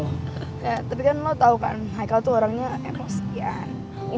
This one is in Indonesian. ya tapi kan lo tau kan haikal tuh orangnya emosian